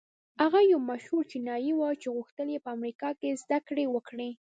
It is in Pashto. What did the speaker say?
هغه يو مشهور چينايي و چې غوښتل يې په امريکا کې زدهکړې وکړي.